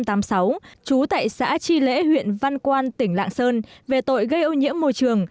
trú tại xã tri lễ huyện văn quan tỉnh lạng sơn về tội gây ô nhiễm môi trường